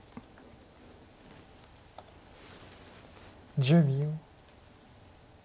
１０秒。